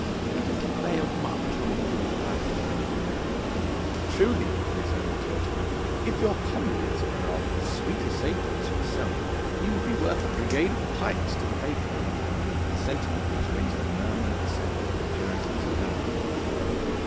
'It hath availed much on the field of battle.' 'Truly,' returned the clergyman, 'if your comrades are of as sweet a savour as yourself, ye will be worth a brigade of pikes to the faithful,' a sentiment which raised a murmur of assent from the Puritans around.